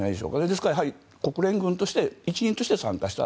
ですから、国連軍として１人として参加した。